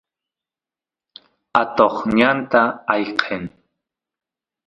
atoq ñanta ayqen